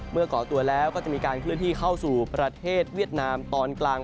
ก่อตัวแล้วก็จะมีการเคลื่อนที่เข้าสู่ประเทศเวียดนามตอนกลาง